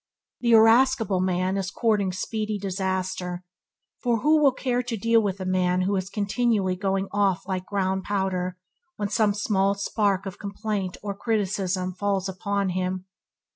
The irascible man is courting speedy disaster, for who will care to deal with a man who continually going off like ground powder when some small spark of complaint or criticism falls upon him!